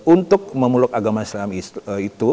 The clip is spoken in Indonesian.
untuk memeluk agama islam itu